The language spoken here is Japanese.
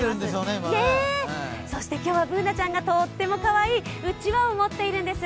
今日はＢｏｏｎａちゃんがとってもかわいいうちわを持っているんです。